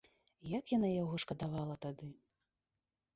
Як яна яго шкадавала тады!